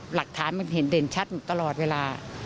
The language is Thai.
หลักฐานมันเห็นเด่นชัดตลอดเวลา